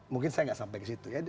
mungkin saya nggak sampai ke situ ya